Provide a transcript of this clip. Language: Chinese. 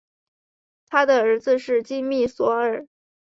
他的儿子是金密索尔。